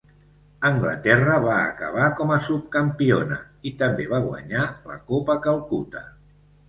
Anglaterra va acabar com a subcampiona, i també va guanyar la Copa Calcuta.